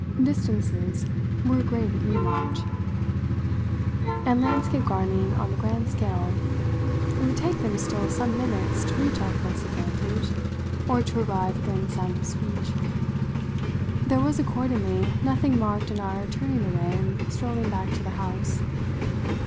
Distances were great at Newmarch and landscape gardening on the grand scale; it would take them still some minutes to reach our place of vantage or to arrive within sound of speech. There was accordingly nothing marked in our turning away and strolling back to the house.